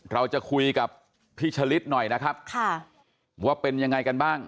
เราจะคุยกับพี่ชะลิดหน่อยนะครับค่ะว่าเป็นยังไงกันบ้าง